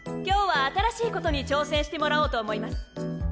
今日は新しいことに挑戦してもらおうと思います。